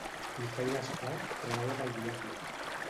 Qui fa i desfà treballa pel diable.